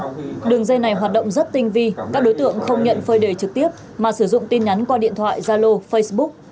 trong đường dây này hoạt động rất tinh vi các đối tượng không nhận phơi đề trực tiếp mà sử dụng tin nhắn qua điện thoại zalo facebook